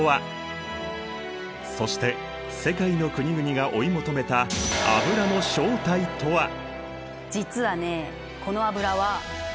そして世界の国々が追い求めた実はねこの油は。